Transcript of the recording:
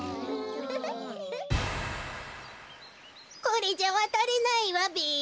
これじゃわたれないわべ。